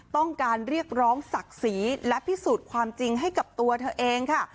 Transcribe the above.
ต้องการเรียกร้องศักดิ์ศรีและพิสูจน์ความจริงให้กับตัวเธอเองค่ะ